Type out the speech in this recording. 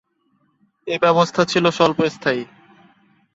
এ ব্যবস্থা ছিল স্বল্পস্থায়ী।